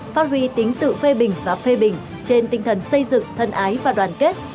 phát huy tính tự phê bình và phê bình trên tinh thần xây dựng thân ái và đoàn kết